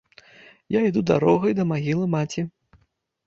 Я іду дарогай да магілы маці.